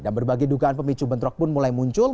dan berbagai dugaan pemicu bentrok pun mulai muncul